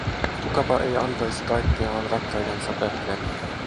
Kukapa ei antaisi kaikkeaan rakkaidensa tähden?